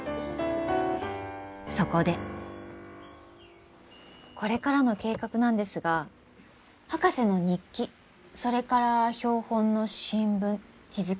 そこでこれからの計画なんですが博士の日記それから標本の新聞日付